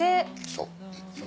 そう。